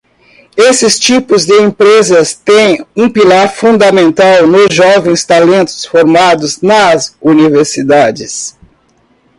Esses tipos de empresas têm um pilar fundamental nos jovens talentos formados nas universidades.